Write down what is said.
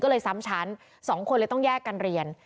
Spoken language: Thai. ก็เลยซ้ำชั้น๒คนเลยต้องแยกกันเรียน